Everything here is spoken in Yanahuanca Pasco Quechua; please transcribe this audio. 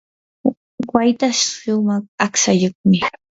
wayta shumaq aqtsayuqmi.